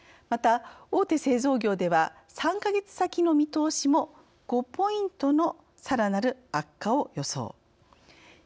また、大手製造業では３か月先の見通しも５ポイントのさらなる悪化を予想。